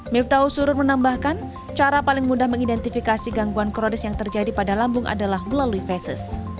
miftau surun menambahkan cara paling mudah mengidentifikasi gangguan krodis yang terjadi pada lambung adalah melalui fesis